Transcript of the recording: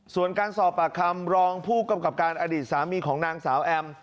ส่วนการสอบปากคำรองผู้กำกับการอดีตสามีของนางสาวแอม